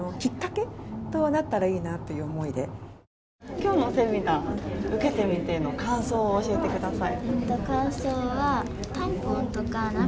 今日のセミナーを受けてみての感想を教えてください